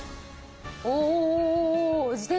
おお！